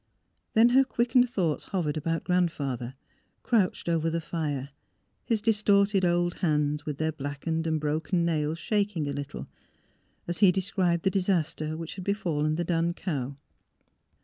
... Then her quickened thoughts hovered about Grandfather, crouched over the fire, his distorted old hands with their blackened and broken nails shaking a little, as he described the disaster wliich had befallen the dun cow.